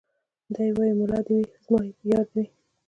دی وايي ملا دي وي زما يار دي وي